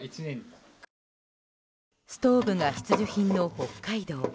ストーブが必需品の北海道。